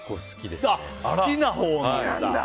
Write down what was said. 好きなほうなんだ。